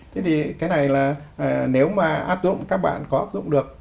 thế thì cái này là nếu mà áp dụng các bạn có áp dụng được